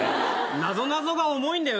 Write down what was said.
なぞなぞが重いんだよ何か。